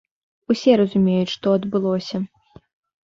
Усе разумеюць, што адбылося.